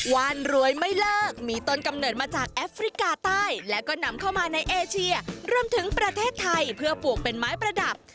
ว่านรวยไม่เลิกมีต้นกำเนิดมาจากแอฟริกาใต้และก็นำเข้ามาในเอเชียรวมถึงประเทศไทยเพื่อปลูกเป็นไม้ประดับ